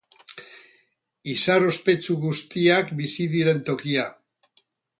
Izar ospetsu guztiak bizi diren tokia.